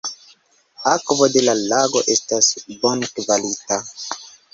Akvo de la lago estas bonkvalita.